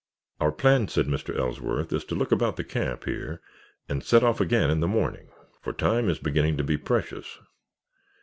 "Our plan," said Mr. Ellsworth, "is to look about the camp here and set off again in the morning, for time is beginning to be precious.